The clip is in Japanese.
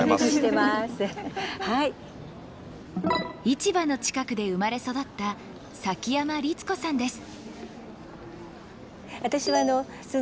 市場の近くで生まれ育った崎山律子さんです